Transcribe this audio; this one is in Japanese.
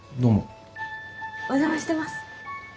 お邪魔してます。